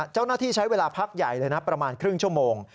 เจ้าหน้าที่ใช้เวลาพักใหญ่เลยนะประมาณครึ่งชั่วโมง